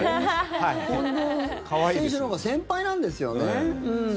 近藤選手のほうが先輩なんですよね。